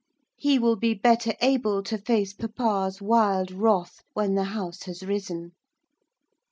He will be better able to face papa's wild wrath when the House has risen.